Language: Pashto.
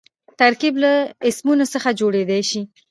ترکیب له اسمونو څخه جوړېدای سي.